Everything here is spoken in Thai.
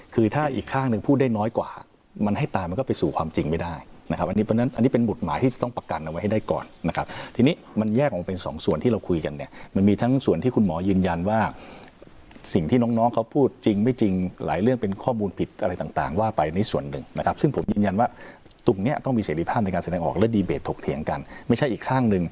คือถ้าอีกข้างหนึ่งพูดได้น้อยกว่ามันให้ตามมันก็ไปสู่ความจริงไม่ได้นะครับอันนี้เพราะฉะนั้นอันนี้เป็นบทหมายที่จะต้องประกันเอาไว้ให้ได้ก่อนนะครับทีนี้มันแยกออกมาเป็นสองส่วนที่เราคุยกันเนี่ยมันมีทั้งส่วนที่คุณหมอยืนยันว่าสิ่งที่น้องน้องเขาพูดจริงไม่จริงหลายเรื่องเป็นข้อมูลผิดอะไรต่างต่